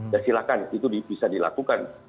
ya silahkan itu bisa dilakukan